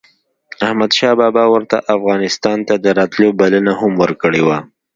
احمد شاه بابا ورته افغانستان ته دَراتلو بلنه هم ورکړې وه